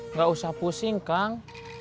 nggak usah pusing kang